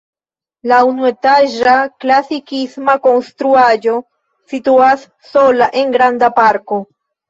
La unuetaĝa klasikisma konstruaĵo situas sola en granda parko.